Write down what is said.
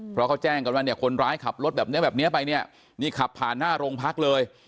เพราะเขาแจ้งกันว่าเนี่ยคนร้ายขับรถแบบนี้แบบนี้ไปเนี่ยนี่ขับผ่านหน้าโรงพักเลย